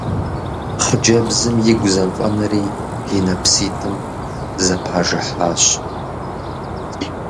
Хъыджэбзым игу зэфӏэнэри и нэпситӏым зэпажыхьащ.